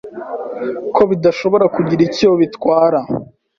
ko bidashobora kugira icyo bibatwara.